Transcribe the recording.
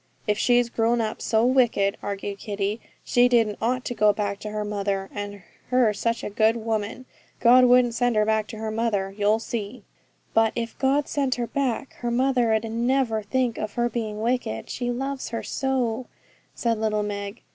'If she's grown up so wicked,' argued Kitty, 'she didn't ought to go back to her mother, and her such a good woman. God won't send her back to her mother, you'll see.' 'But if God sent her back, her mother 'ud never think of her being wicked, she loves her so,' said little Meg.